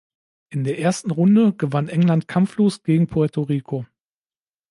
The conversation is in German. In der ersten Runde gewann England kampflos gegen Puerto Rico.